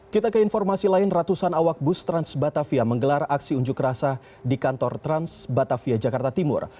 kita ke informasi lain ratusan awak bus transbatavia menggelar aksi unjuk rasa di kantor transbatavia jakarta timur